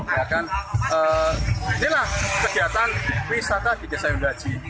inilah kegiatan wisata di desa windu aji